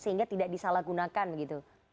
sehingga tidak disalahgunakan begitu